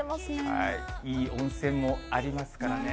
いい温泉もありますからね。